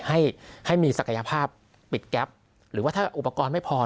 ให้ให้มีศักยภาพปิดแก๊ปหรือว่าถ้าอุปกรณ์ไม่พอ